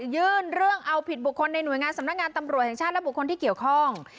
ยื่นเรื่องเอาผิดบุคคลในหน่วยงานสำนักงานตำรวจแห่งชาติและบุคคลที่เกี่ยวข้อง